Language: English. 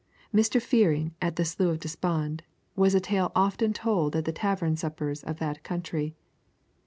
Mr. Fearing at the Slough of Despond was a tale often told at the tavern suppers of that country.